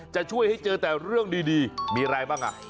จะช่วยให้เจอแต่เรื่องดีมีอะไรบ้างอ่ะ